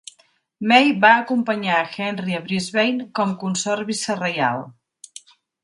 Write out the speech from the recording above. May va acompanyar a Henry a Brisbane, com consort vicereial.